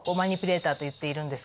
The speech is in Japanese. と言っているんです。